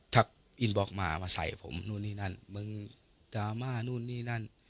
อินบล็อกมามาใส่ผมนู่นนี่นั่นมึงดราม่านู่นนี่นั่น